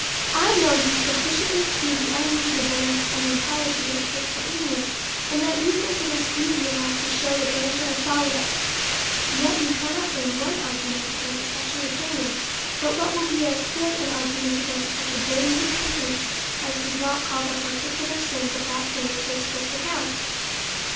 I know you sufficiently to see the unreasonableness and impiety of this opinion, and that you think it is easy enough to shew the danger and folly of it : yet you cannot bring one argument against such an opi nion, but what will be as good an argument against such a daily repentance, as does not call the particu lar sins of that day to a strict account.